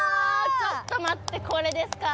ちょっと待ってこれですか？